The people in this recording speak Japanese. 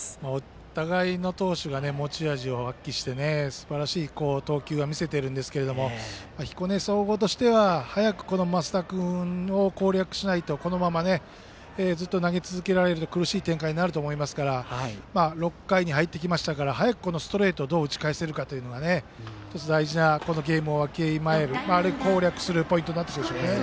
お互いの投手が持ち味を発揮してすばらしい投球を見せているんですが彦根総合としては早く升田君を攻略しないと、このままずっと投げ続けられると苦しい展開になると思いますから６回に入ってきたので早くストレートをどう打ち返せるかが１つ、大事なゲームを分ける、攻略するポイントになるでしょうね。